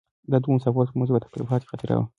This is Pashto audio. دا د دوو مسافرو تر منځ یوه تلپاتې خاطره وه.